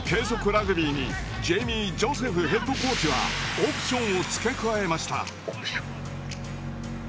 ラグビーにジェイミー・ジョセフヘッドコーチはオプションを付け加えました。